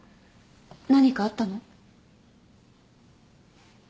何かあったの？